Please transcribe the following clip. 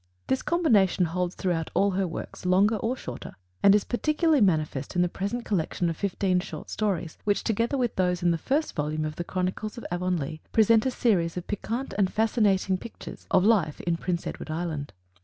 This combination holds throughout all her works, longer or shorter, and is particularly manifest in the present collection of fifteen short stories, which, together with those in the first volume of the Chronicles of Avonlea, present a series of piquant and fascinating pictures of life in Prince Edward Island.